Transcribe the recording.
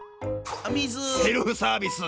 セルフサービス！